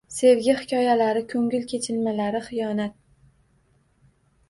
Sevgi hikoyalari, ko’ngil kechinmalari, xiyonat